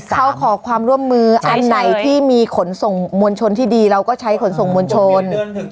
เขาขอความร่วมมืออันไหนที่มีขนส่งมวลชนที่ดีเราก็ใช้ขนส่งมวลชน